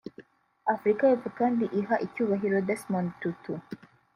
Afurika y’Epfo kandi iha icyunahiro Desmond Tutu